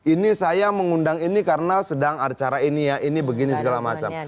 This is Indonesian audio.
ini saya mengundang ini karena sedang acara ini ya ini begini segala macam